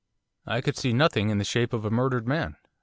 I could see nothing in the shape of a murdered man.